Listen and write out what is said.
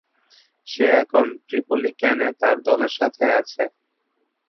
সে এখন ত্রিপলিক্যানে তার দলের সাথে আছে।